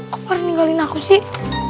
kok baru ninggalin aku sih